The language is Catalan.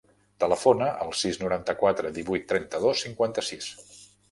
Telefona al sis, noranta-quatre, divuit, trenta-dos, cinquanta-sis.